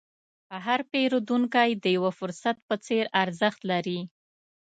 هر پیرودونکی د یو فرصت په څېر ارزښت لري.